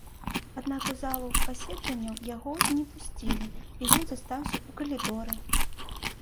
Аднак у залу пасяджэнняў яго не пусцілі і ён застаўся ў калідоры.